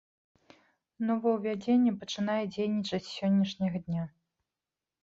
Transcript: Новаўвядзенне пачынае дзейнічаць з сённяшняга дня.